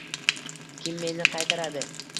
Kim meni qaytaradi?